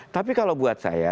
tapi kalau buat saya